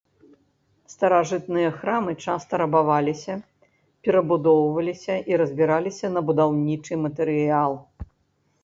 Старажытныя храмы часта рабаваліся, перабудоўваліся і разбіраліся на будаўнічы матэрыял.